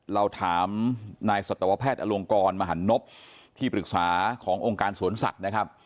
เราถามนายสัตวแพทย์อลงกรมหันนบที่ปรึกษาขององค์การสวนสัตว์นะครับ